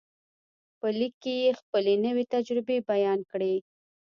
په لیک کې یې خپلې نوې تجربې بیان کړې